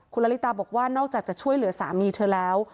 คุณละลิตาบอกว่านอกจากจะช่วยเหลือสามีเธอแล้ว